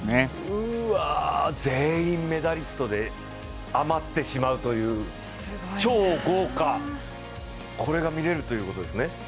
うわ、全員メダリストで余ってしまうという、超豪華、これが見れるということですね。